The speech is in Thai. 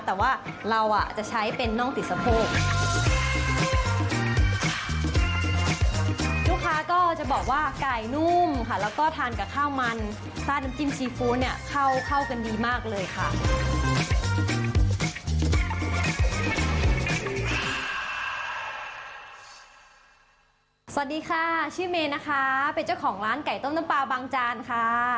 สวัสดีค่ะชื่อเมย์นะคะเป็นเจ้าของร้านไก่ต้มน้ำปลาบางจานค่ะ